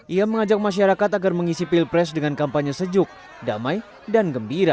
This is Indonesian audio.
ia mengajak masyarakat agar mengisi pilpres dengan kampanye sejuk damai dan gembira